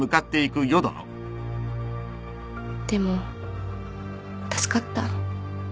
でも助かった。